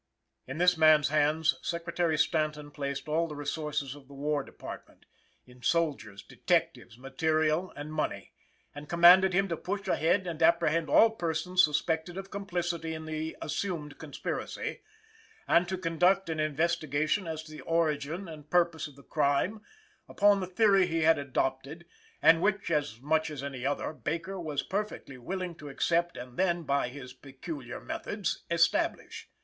In this man's hands Secretary Stanton placed all the resources of the War Department, in soldiers, detectives, material and money, and commanded him to push ahead and apprehend all persons suspected of complicity in the assumed conspiracy, and to conduct an investigation as to the origin and progress of the crime, upon the theory he had adopted and which, as much as any other, Baker was perfectly willing to accept and then, by his peculiar methods, establish.